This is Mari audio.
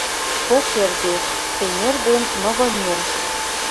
— Кок эрге: Шемер ден Новомир.